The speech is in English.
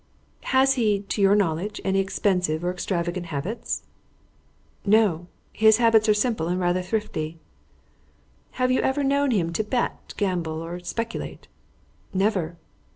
"Has he, to your knowledge, any expensive or extravagant habits?" "No. His habits are simple and rather thrifty." "Have you ever known him to bet, gamble, or speculate?" "Never."